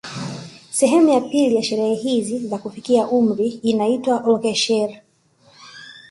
Sehemu ya pili ya sherehe hizi za kufikia umri inaitwa olghesher